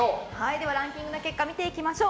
では、ランキングの結果見ていきましょう。